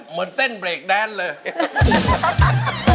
เหมือนเต้นเบรกแดนเลย